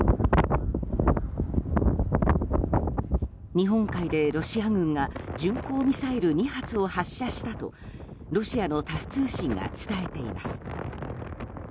日本海でロシア軍が巡航ミサイル２発を発射したとロシアのタス通信が伝えています。